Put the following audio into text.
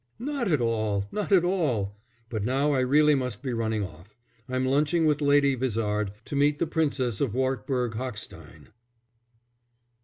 "Not at all! Not at all! But now I really must be running off. I'm lunching with Lady Vizard, to meet the Princess of Wartburg Hochstein."